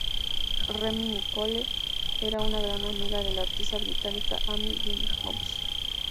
Remi Nicole era una gran amiga de la artista británica Amy Winehouse.